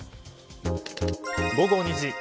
午後２時。